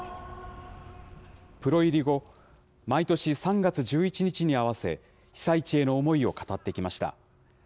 プロ入り後、毎年３月１１日に合わせ、被災地への思いを語ってきました。